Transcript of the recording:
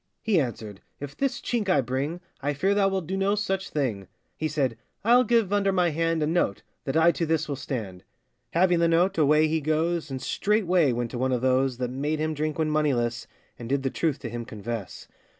He answered, 'If this chink I bring, I fear thou wilt do no such thing. He said, 'I'll give under my hand, A note, that I to this will stand.' Having the note, away he goes, And straightway went to one of those That made him drink when moneyless, And did the truth to him confess.